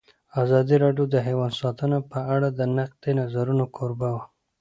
ازادي راډیو د حیوان ساتنه په اړه د نقدي نظرونو کوربه وه.